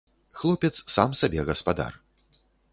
Хлопец сам сабе гаспадар.